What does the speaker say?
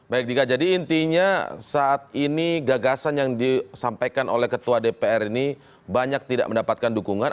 baik dika jadi intinya saat ini gagasan yang disampaikan oleh ketua dpr ini banyak tidak mendapatkan dukungan